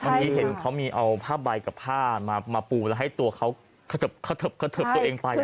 เมื่อกี้เห็นเขามีเอาผ้าใบกับผ้ามาปูแล้วให้ตัวเขากระเทิบตัวเองไป